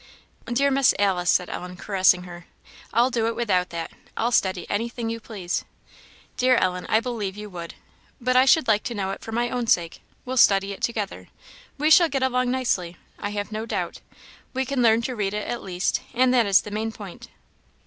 "Dear Miss Alice," said Ellen, caressing her, "I'll do it without that; I'll study anything you please." "Dear Ellen, I believe you would. But I should like to know it for my own sake; we'll study it together; we shall get along nicely, I have no doubt; we can learn to read it at least, and that is the main point."